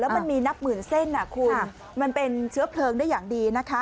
มันมีนับหมื่นเส้นคุณมันเป็นเชื้อเพลิงได้อย่างดีนะคะ